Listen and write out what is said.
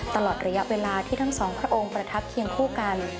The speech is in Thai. ตลอดระยะเวลาที่ทั้งสองพระองค์ประทับเคียงคู่กัน